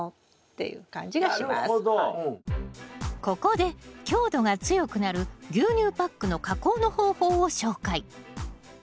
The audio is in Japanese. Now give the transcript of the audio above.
ここで強度が強くなる牛乳パックの加工の方法を紹介。